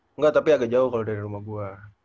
enggak tapi agak jauh kalau dari rumah gue